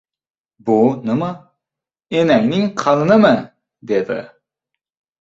— Bu nima, enangning qalinimi? — dedi.